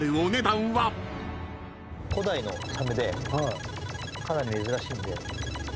古代のサメでかなり珍しいんで。